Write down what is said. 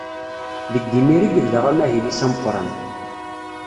Deg yimir i yebda amahil-is ameqqran.